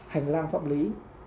hành lang pháp lý